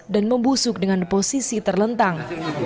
dan membusuk dengan posisi terlentang